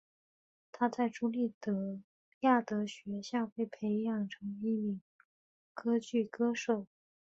她在朱利亚德学校被培养成为一名歌剧歌手。